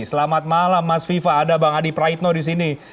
selamat malam mas viva ada bang adi praitno di sini